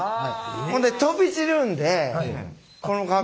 ほんで飛び散るんでこの格好を。